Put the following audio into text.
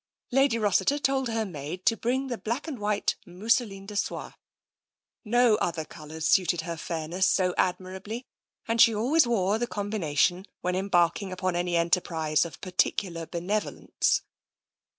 Lady Rossiter told her maid to bring the black and white mousseline de sole. No other colours suited her fairness so admirably, and she always wore the com bination when embarking upon any enterprise of par ticular benevolence.